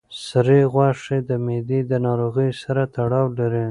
سرې غوښه د معدې د ناروغیو سره تړاو لري.